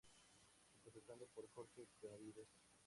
Interpretado por Jorge Benavides